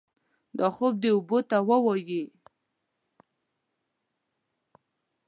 دا خوب دې اوبو ته ووايي.